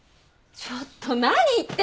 ちょっと何言ってんの。